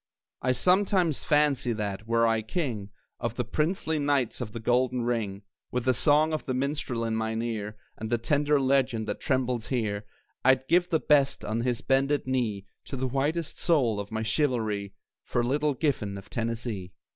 I sometimes fancy that, were I king Of the princely knights of the Golden Ring, With the song of the minstrel in mine ear, And the tender legend that trembles here, I'd give the best, on his bended knee, The whitest soul of my chivalry, For Little Giffen of Tennessee.